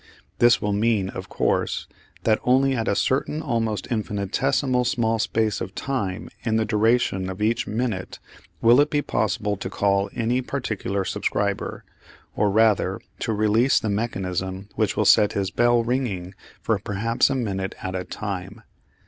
This will mean, of course, that only at a certain almost infinitesimally small space of time in the duration of each minute will it be possible to call any particular subscriber, or rather to release the mechanism which will set his bell ringing for perhaps a minute at a time.